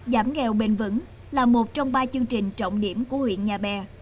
giảm nghèo bền vững là một trong ba chương trình trọng điểm của huyện nhà bè